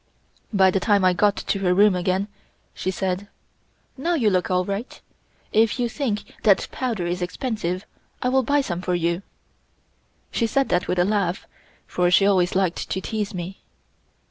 By the time I got to her room again, she said: "Now you look all right. If you think that powder is expensive, I will buy some for you." She said that with a laugh, for she always liked to tease me.